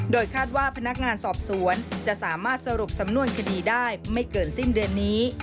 โดยคาดว่าพนักงานสอบสวนจะสามารถสรุปสำนวนคดีได้ไม่เกินสิ้นเดือนนี้